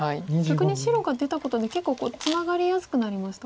逆に白が出たことで結構ツナガりやすくなりましたか？